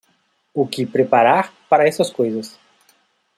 O que preparar para essas coisas